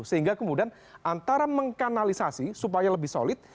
sehingga kemudian antara mengkanalisasi supaya lebih solid